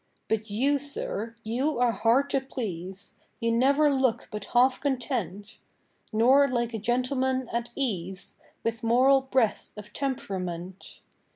But you, Sir, you are hard to please; You never look but half content: Nor like a gentleman at ease With moral breadth of temperament.